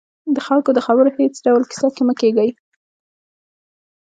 د خلکو د خبرو هېڅ ډول کیسه کې مه کېږئ